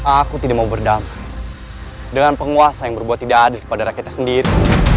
aku tidak mau berdamai dengan penguasa yang berbuat tidak ada pada rakyat sendiri